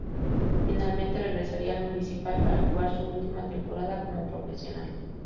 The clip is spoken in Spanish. Finalmente regresaría al Municipal para jugar su última temporada como profesional.